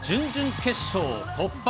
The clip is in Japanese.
準々決勝突破。